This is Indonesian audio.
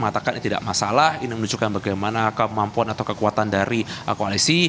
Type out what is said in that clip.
mengatakan ini tidak masalah ini menunjukkan bagaimana kemampuan atau kekuatan dari koalisi